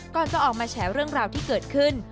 ก่อนจะออกมาแฉเรื่องราวที่เกิดขึ้น